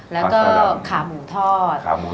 แล้วก็ขาหมูทอด